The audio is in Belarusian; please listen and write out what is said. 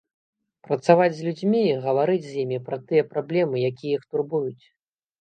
Працаваць з людзьмі, гаварыць з імі пра тыя праблемы, якія іх турбуюць.